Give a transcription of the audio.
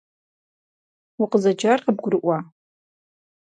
Укъызэджар къыбгурыӏуа?